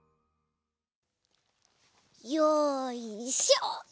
よいしょ！